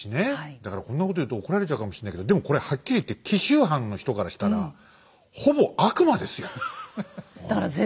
だからこんなこと言うと怒られちゃうかもしれないけどでもこれはっきり言って紀州藩の人からしたらほぼ悪魔ですよ。